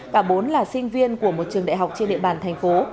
cả bốn là sinh viên của một trường đại học trên địa bàn thành phố